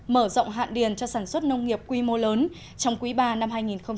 mở rộng hạn điền cho sản xuất nông nghiệp quy mô lớn trong quý ba năm hai nghìn hai mươi